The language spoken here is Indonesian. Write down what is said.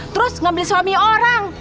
terus ngambil suami orang